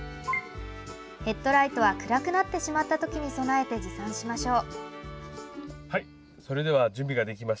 ヘッドライトは暗くなってしまった時に備えて持参しましょう。